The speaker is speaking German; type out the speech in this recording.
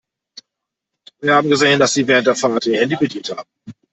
Wir haben gesehen, dass Sie während der Fahrt Ihr Handy bedient haben.